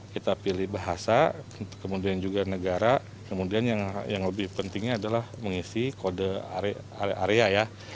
kita pilih bahasa kemudian juga negara kemudian yang lebih pentingnya adalah mengisi kode area ya